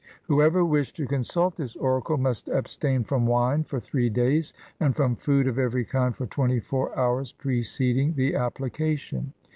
Whoever wished to consult this oracle must abstain from wine for three days, and from food of every kind for twenty four hours preceding the application.